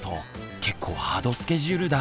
結構ハードスケジュールだ。